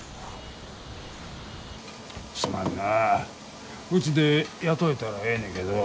すまんなうちで雇えたらええねけど。